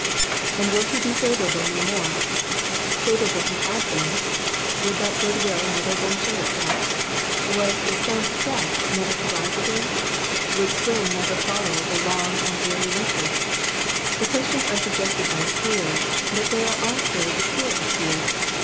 ^''And will he be favourable no more f Favourable he had been ; would that goodwill never asain show itself ? Was the sun set never to rise again? Would spiing never follow the long and dreary winter? The questions are suggested by fear, but they are also the cure of fear.